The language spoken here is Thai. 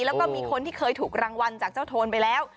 แล้วก็มีคนที่เคยถูกรางวัลจากเจ้าโทนไปแล้ว